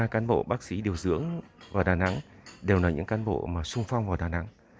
ba mươi ba cán bộ bác sĩ điều dưỡng vào đà nẵng đều là những cán bộ mà sung phong vào đà nẵng